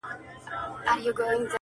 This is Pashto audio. • د لېوه بچی لېوه سي -